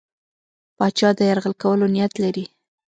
پاچا د یرغل کولو نیت لري.